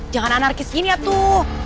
jangan anak anak kesini atuh